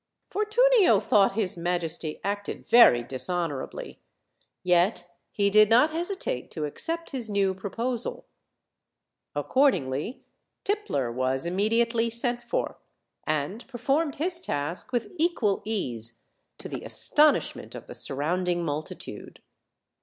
Fortunio thought his majesty acted very dishonorably, yet he did not hesitate to accept his new proposal. Ac cordingly Tippler was immediately sent for, and per formed his task with equal ease, to the astonishment of the surrounding multitude.